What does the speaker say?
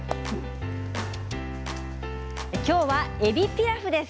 きょうはえびピラフです。